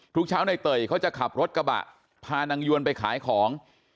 ทุกเช้าในเตยเขาจะขับรถกระบะพานางยวนไปขายของ